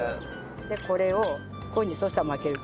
これをこういうふうにそしたら巻ける。